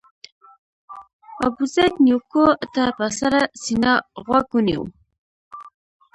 ابوزید نیوکو ته په سړه سینه غوږ ونیو.